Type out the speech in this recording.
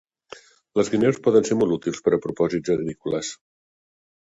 Les guineus poden ser molt útils per a propòsits agrícoles.